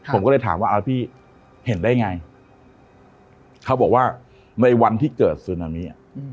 ผมก็เลยถามว่าพี่เห็นได้ไงเขาบอกว่าในวันที่เกิดซึนามิ